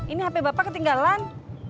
ini hp bapak ketinggalan